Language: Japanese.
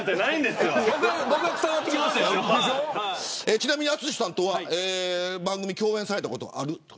ちなみに淳さんとは番組で共演されたことがある。